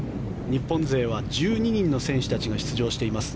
日本勢は１２人の選手たちが出場しています